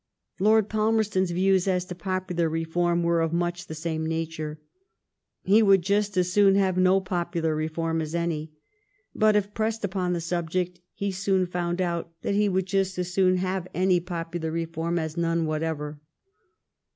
Lord Palmerston's views as to popular reform were of much the same nature. He would just as soon have no popular reform as any. But if pressed upon the subject, he soon found out that he would just as soon have any popular reform as none whatever.